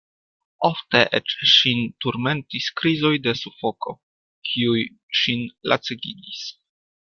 Ofte eĉ ŝin turmentis krizoj de sufoko, kiuj ŝin lacegigis.